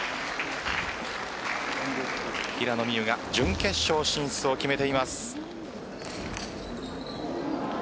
平野美宇が準決勝進出を決めています。